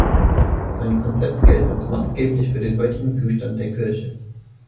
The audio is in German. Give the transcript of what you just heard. Sein Konzept gilt als maßgeblich für den heutigen Zustand der Kirche.